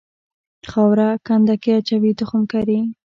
خاوره کنده کې اچوي تخم کري.